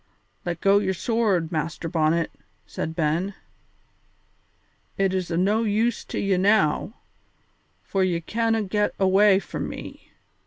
"Let go your sword, Master Bonnet," said Ben; "it is o' no use to ye now, for ye canna get awa' from me.